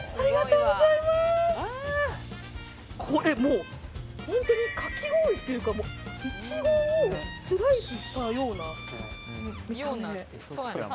これもう、本当にかき氷というかイチゴをスライスしたような。